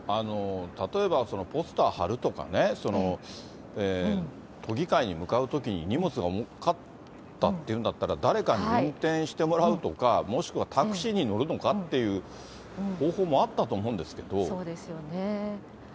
例えばポスター張るとかね、都議会に向かうときに荷物が重かったっていうんだったら、誰かに運転してもらうとか、もしくはタクシーに乗るのかっていう方法もそうですよね。